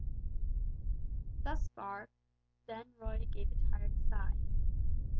Thus far; then Roy gave a tired sigh.